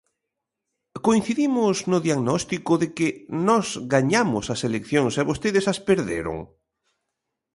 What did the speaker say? ¿Coincidimos no diagnóstico de que nós gañamos as eleccións e vostedes as perderon?